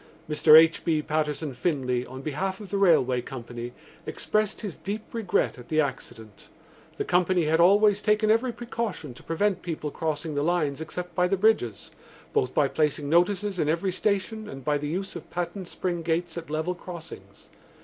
Mr H. B. Patterson Finlay, on behalf of the railway company, expressed his deep regret at the accident. The company had always taken every precaution to prevent people crossing the lines except by the bridges, both by placing notices in every station and by the use of patent spring gates at level crossings.